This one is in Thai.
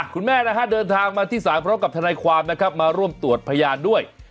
คุณแม่นะฮะเดินทางมาที่ศาลพร้อมกับทนายความนะครับมาร่วมตรวจพยานด้วย